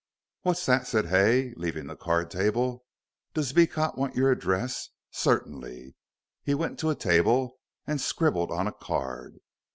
"What's that," said Hay, leaving the card table, "does Beecot want your address? Certainly." He went to a table and scribbled on a card.